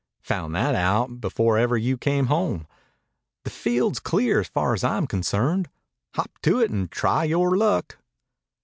Found that out before ever you came home. The field's clear far as I'm concerned. Hop to it an' try yore luck."